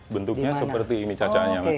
bentuknya seperti ini cacahnya